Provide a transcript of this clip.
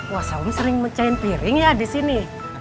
wasaum sering mecahin piring ya di sini